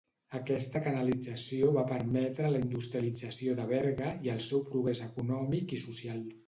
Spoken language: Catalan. Aquesta canalització va permetre la industrialització de Berga i el seu progrés econòmic i social.